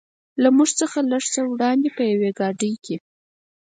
له موږ څخه لږ څه وړاندې په یوې ګاډۍ کې.